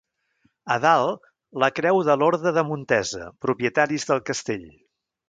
A dalt, la creu de l'orde de Montesa, propietaris del castell.